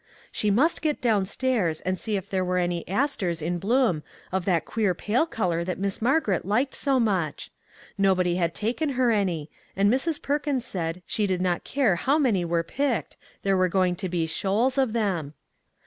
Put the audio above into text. She must get 274 AFTER THE STORM downstairs and see if there were any asters in bloom of that queer pale color that Miss Mar garet liked so much. Nobody had taken her any, and Mrs. Perkins said she did not care how many were picked, there were going to be shoals of them.